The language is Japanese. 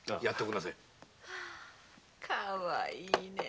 かわいいねぇ。